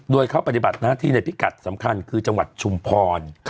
โดยเขาปฏิบัติหน้าที่ในพิกัดสำคัญคือจังหวัดชุมพร